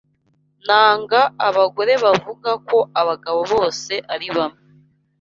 Nanga abagore bavuga ko abagabo bose ari bamwe.